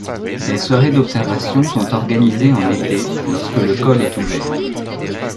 Des soirées d'observation sont organisées en été lorsque le col est ouvert.